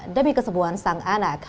demi kesebuahan sang anak